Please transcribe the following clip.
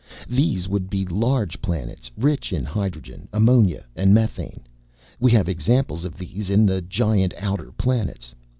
These would be large planets rich in hydrogen, ammonia and methane. We have examples of these in the giant outer planets.